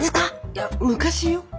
いや昔よ。